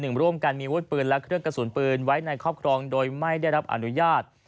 ร่วมกันมีวุฒิปืนและเครื่องกระสุนปืนไว้ในครอบครองโดยไม่ได้รับอนุญาต